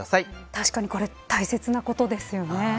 確かにこれは大切なことですよね。